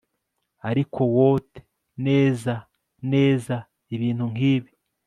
Ariko wot neza neza ibintu nkibi